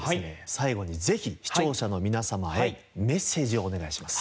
最後にぜひ視聴者の皆様へメッセージをお願いします。